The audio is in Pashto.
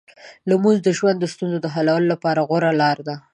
لمونځ د ژوند د ستونزو حلولو لپاره غوره لار ده.